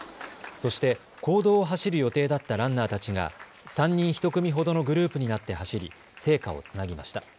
そして公道を走る予定だったランナーたちが３人１組ほどのグループになって走り聖火をつなぎました。